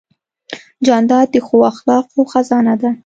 جانداد د ښو اخلاقو خزانه ده.